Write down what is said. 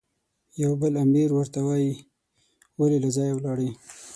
یو بل امیر ورته وایي، ولې له ځایه ولاړې؟